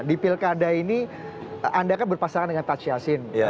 di pilkada ini anda kan berpasangan dengan taj yassin